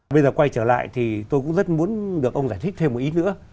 bây giờ quay trở lại thì tôi cũng rất muốn được ông giải thích thêm một ít nữa